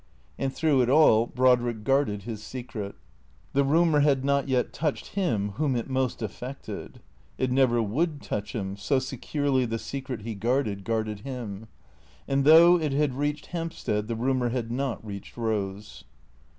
And through it all Brodrick guarded his secret. The rumour had not yet touched him whom it most affected. It never would touch him, so securely the secret he guarded guarded him. And though it had reached Hampstead the ru mour had not reached Eose.